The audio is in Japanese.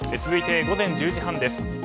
続いて午前１０時半です。